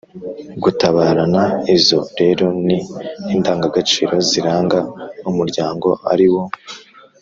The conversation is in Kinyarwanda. gutabarana. izo rero ni indangagaciro ziranga umuryango ari wo